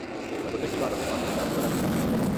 নৈকট্যশীল বান্দাদের মাঝে তাঁর মর্যাদাকে সমুন্নত কর।